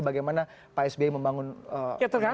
bagaimana pak sbi membangun indonesia selama sepuluh tahun